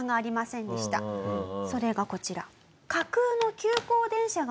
それがこちら。